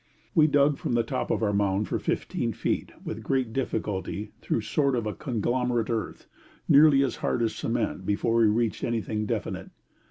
We dug from the top of our mound for 15 feet, with great difficulty, through a sort of conglomerate earth, nearly as hard as cement, before we reached anything definite.